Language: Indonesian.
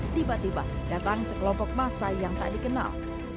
tiba tiba datang sekelompok massa yang tak dikenal